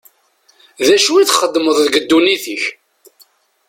D acu i txeddmeḍ deg ddunit-k?